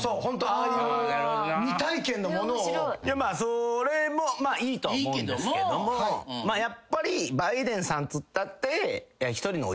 それもいいとは思うんですけどもやっぱりバイデンさんっつったって。